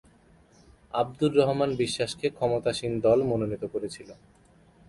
আবদুর রহমান বিশ্বাসকে ক্ষমতাসীন দল মনোনীত করেছিল।